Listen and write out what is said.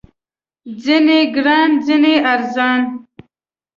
ځینې ګران، ځینې ارزان